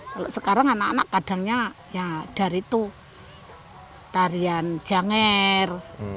kalau sekarang anak anak kadangnya ya dari itu tarian janger